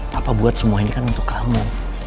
papa buat semua ini kan untuk kamu